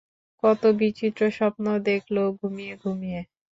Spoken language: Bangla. কত বিচিত্র স্বপ্ন দেখল ঘুমিয়ে-ঘূমিয়ে।